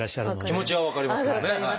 気持ちは分かりますけどね。